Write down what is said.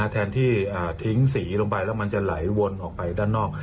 แทนที่ทิ้งสีลงไปแล้วมันจะไหลวนออกไปด้านนอก